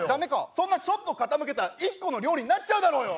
そんなちょっと傾けたら一個の料理になっちゃうだろうよ！